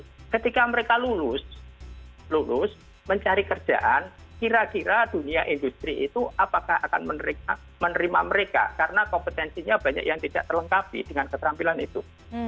jadi ketika mereka lulus mencari kerjaan kira kira dunia industri itu apakah akan menerima mereka karena kompetensinya banyak yang tidak terlengkapi dengan keterampilan itu